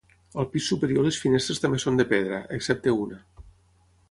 Al pis superior les finestres també són de pedra, excepte una.